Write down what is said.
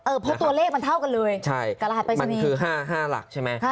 เออเพราะตัวเลขมันเท่ากันเลยกับรหัสไปสนีใช่มันคือ๕หลักใช่ไหม